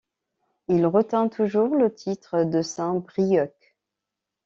Il retint toujours le titre de Saint-Brieuc.